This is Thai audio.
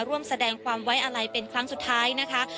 ร่วมแสดงความไว้อะไรเป็นครั้งสุดท้ายนะคะ